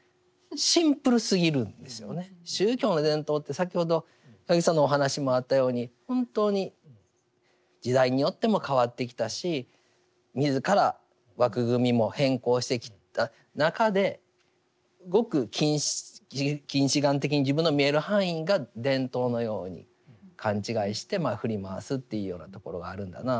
宗教の伝統って先ほど八木さんのお話にもあったように本当に時代によっても変わってきたし自ら枠組みも変更してきた中でごく近視眼的に自分の見える範囲が伝統のように勘違いして振り回すというようなところがあるんだな